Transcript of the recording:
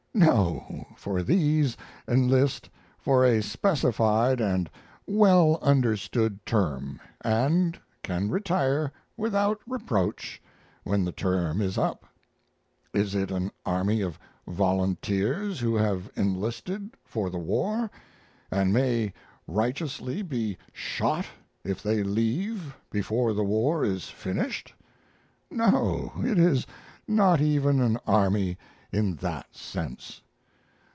No, for these enlist for a specified and well understood term, and can retire without reproach when the term is up. Is it an army of volunteers who have enlisted for the war, and may righteously be shot if they leave before the war is finished? No, it is not even an army in that sense.